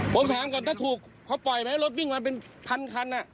ผมถามก่อนถ้าถูกเขาปล่อยไหมรถวิ่งมาเป็นพันคัน